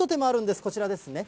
こちらですね。